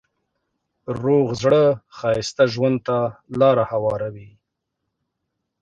روغ زړه ښایسته ژوند ته لاره هواروي.